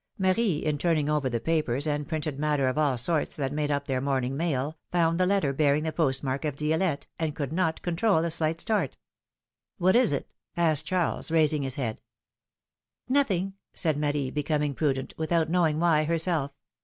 Marie, in turning over the papers and printed matter of all sorts that made up their morning mail, found the letter bearing the postmark of Di6lette, and could not control a slight start. What is it?" asked Charles, raising his head, Nothing," said Marie, becoming prudent, without knowing why herself.